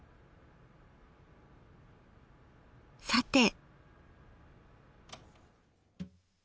さて。